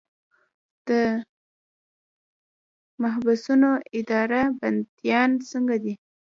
د محبسونو اداره بندیان څنګه ساتي؟